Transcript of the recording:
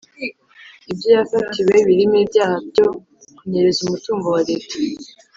Ibyo yafatiwe birimo ibyaha byo kunyereza umutungo wa Leta.